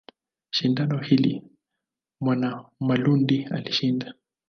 Shindano hili Mwanamalundi alishinda.